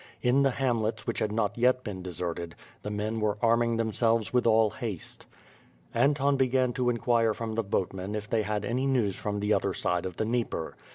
In the hamlets which had not yet been deserted, the men were arming themselves with all haste. Anton began to inquire from the boatmen if they had any news from the other side of the Dnieper.